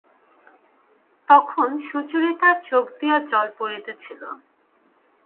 তখন সুচরিতার চোখ দিয়া জল পড়িতেছিল।